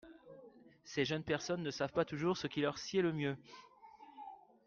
Ces jeunes personnes ne savent pas toujours ce qui leur sied le mieux.